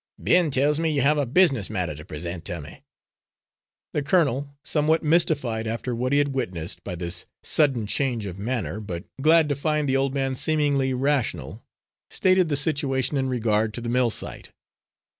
"Ben tells me you have a business matter to present to me?" The colonel, somewhat mystified, after what he had witnessed, by this sudden change of manner, but glad to find the old man seemingly rational, stated the situation in regard to the mill site.